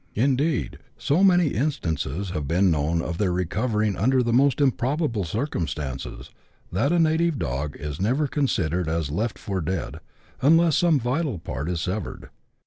Indeed, so many instances have been known of their recovering under the most improbable circumstances, that a native dog is never con sidered as left for dead unless some vital part is severed.